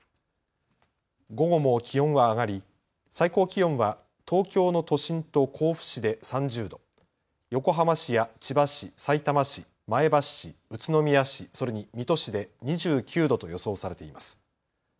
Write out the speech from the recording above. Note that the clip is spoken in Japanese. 午後も気温は上がり最高気温は東京の都心と甲府市で３０度、横浜市や千葉市、さいたま市、前橋市、宇都宮市、それに水戸市で２９度と予想されています。